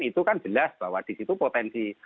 itu kan jelas bahwa di situ potensi